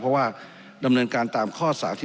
เพราะว่าดำเนินการตามข้อ๓๒